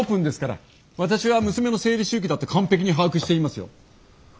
私は娘の生理周期だって完璧に把握していますよ。